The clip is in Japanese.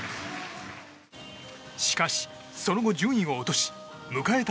しかし、その後順位を落とし迎えた